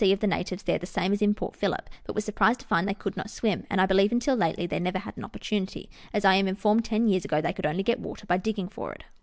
of the natives there the same as in Port Phillip, but was surprised to find they could not swim ; and I believe, until lately, they never had an opportunity, as I am informed ten years ago they could only get water by digging for it.